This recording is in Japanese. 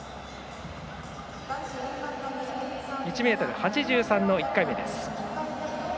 １ｍ８３の１回目。